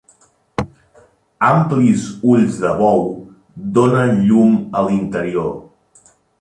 Amplis ulls de bou donen llum a l'interior.